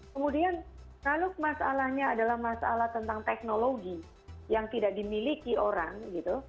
kemudian kalau masalahnya adalah masalah tentang teknologi yang tidak dimiliki orang gitu